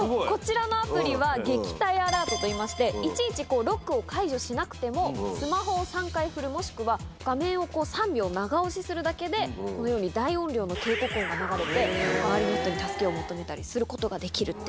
こちらのアプリは撃退アラートといいましていちいちロックを解除しなくてもスマホを３回振るもしくは画面を３秒長押しするだけでこのように大音量の警告音が流れて周りの人に助けを求めたりすることができる。